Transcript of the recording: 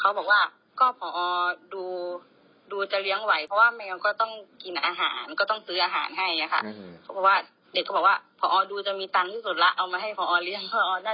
เขาบอกว่าก็ผอดูล่ะค่ะดูจะเลี้ยงไหวเพราะว่าแม่ก็ต้องกินอาหารก็ต้องซื้ออาหารให้อย่างเงี้ยค่ะ